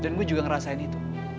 dan gue juga ngerasain itu